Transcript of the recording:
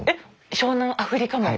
湘南アフリカモン？